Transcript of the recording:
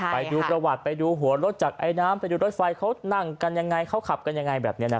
ไปดูประวัติไปดูหัวรถจากไอน้ำไปดูรถไฟเขานั่งกันยังไงเขาขับกันยังไงแบบนี้นะ